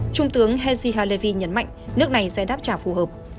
trung tướng hezi halevi nhấn mạnh nước này sẽ đáp trả phù hợp